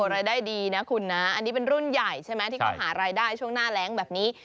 รายได้ดีนะคุณนะอันนี้เป็นรุ่นใหญ่ใช่ไหมที่เขาหารายได้ช่วงหน้าแรงแบบนี้